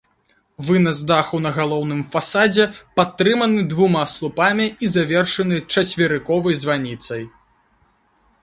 Вынас даху на галоўным фасадзе падтрыманы двума слупамі і завершаны чацверыковай званіцай.